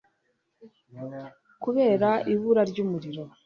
kubera ibura ry umurimo